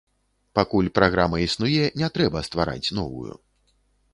Пакуль праграма існуе, не трэба ствараць новую.